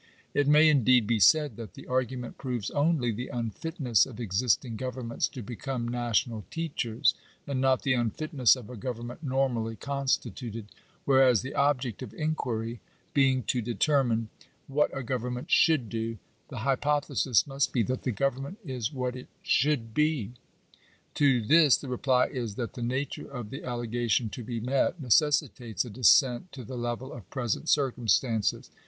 It may, indeed, be said that the argument proves only the unfitness of existing governments to become national teachers, and not the unfitness of a govern ment normally constituted: whereas the object of inquiry Digitized by VjOOQIC NATIONAL EDUCATION. 341 being to determine what a government should do, the hypo thesis must be that the government is what it should be* To this the reply is, that the nature of the allegation to be met necessitates a descent to the level of present circumstances.